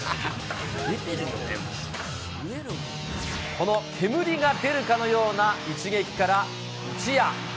この煙が出るかのような一撃から一夜。